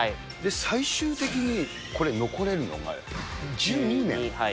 最終的にこれ、残れるのが１２名？